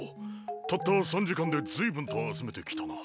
たった３時間で随分と集めてきたな。